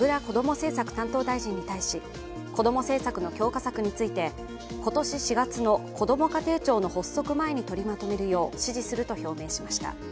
政策担当大臣に対し、子供政策の強化策について、今年４月のこども家庭庁の発足前に取りまとめるよう、指示すると表明しました。